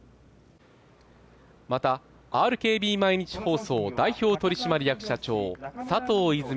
また、ＲＫＢ毎日放送代表取締役社長佐藤泉